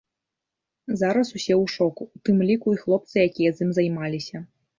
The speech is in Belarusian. Зараз усе ў шоку, у тым ліку і хлопцы, якія з ім займаліся.